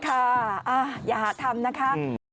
ค่ะอยากทำนะครับ